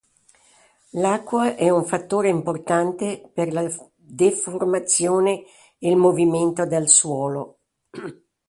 L'acqua è un fattore importante per la deformazione e il movimento del suolo.